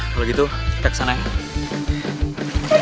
kalau gitu kita kesana ya